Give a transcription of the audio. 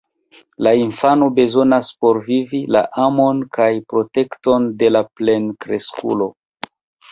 La infano bezonas por vivi la amon kaj protekton de la plenkreskulo.